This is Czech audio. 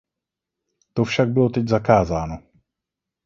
To však bylo teď zakázáno.